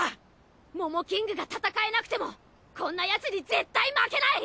モモキングが戦えなくてもこんなヤツに絶対負けない！